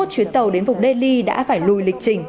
hai mươi chuyến tàu đến vùng delhi đã phải lùi lịch trình